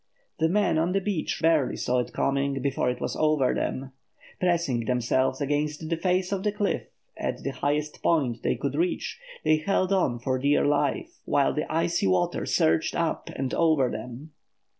The men on the beach barely saw it coming before it was over them. Pressing themselves against the face of the cliff at the highest point they could reach, they held on for dear life while the icy water surged up and over them.